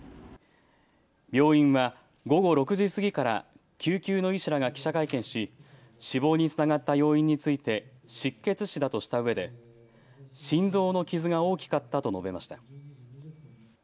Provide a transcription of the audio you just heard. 病院は午後６時過ぎから救急の医師らが記者会見し死亡につながった要因について失血死だとしたうえで心臓の傷が大きかったと述べました。